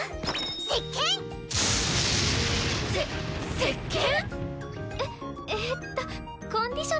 せっけん！